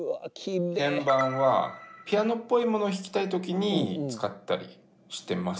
鍵盤はピアノっぽいものを弾きたい時に使ったりしてます。